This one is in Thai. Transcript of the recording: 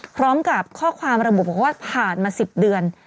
พร้อมกับข้อความระบุบอกว่าผ่านมา๑๐เดือน